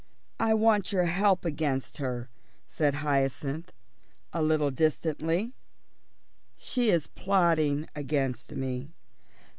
"I want your help against her," said Hyacinth, a little distantly; "she is plotting against me."